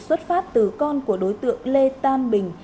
xuất phát từ con của đối tượng lê tam bình